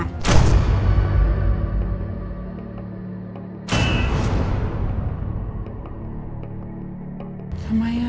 ทำไมอ่ะ